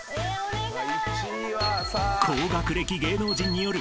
［高学歴芸能人による国数